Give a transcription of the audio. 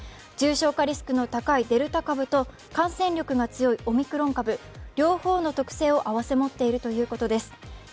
重症化リスクの高いデルタ株と感染力が強いオミクロン株、両方の特性を併せ持っているということです。